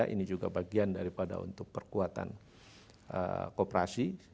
ini juga bagian daripada untuk perkuatan kooperasi